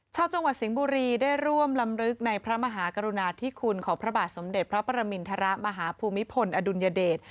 ชาวจังหวัดสิงห์บุรีได้ร่วมลำลึกในพระมหากรุณาธิคุณของพระบาทสมเด็จพระประมินทรมาฮภูมิพลอดุลยเดช